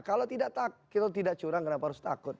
kalau tidak takut kita tidak curang kenapa harus takut